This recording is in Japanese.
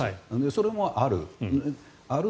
それもある。